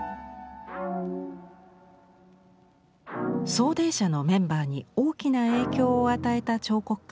「走泥社」のメンバーに大きな影響を与えた彫刻家がいました。